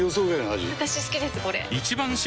私好きですこれ！